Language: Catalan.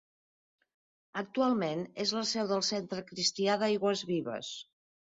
Actualment és la seu del Centre Cristià d'Aigües Vives.